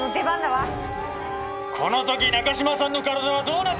この時中島さんの体はどうなってる？